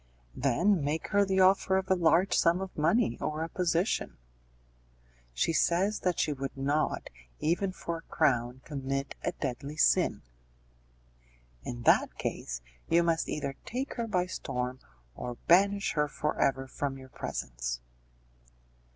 "Then make her the offer of a large sum of money, or a position." "She says that she would not, even for a crown, commit a deadly sin." "In that case, you must either take her by storm, or banish her for ever from your presence."